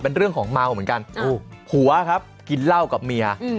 เป็นเรื่องของเมาเหมือนกันผัวครับกินเหล้ากับเมีย